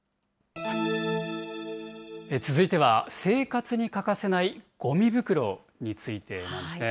続いては生活に欠かせないごみ袋についてなんですね。